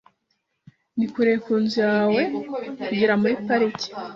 Ni kure ki inzu yawe kugera muri parike?